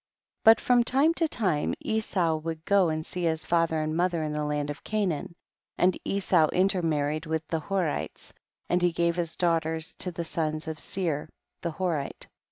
28. But from time to time Esau 86 THE BOOK OF JASHER. would go and see his father and mo ther in the land of Canaan, and Esau intermarried with the Horites, and he gave his daughters to the sons of Seir, the Horite.